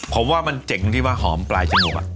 เพราะว่ามันเจ๋งที่ว่าหอมปลายจะโน้ม